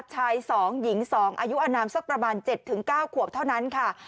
ชาย๒หญิง๒อายุอนามสักประมาณ๗๙ขวบเท่านั้นค่ะ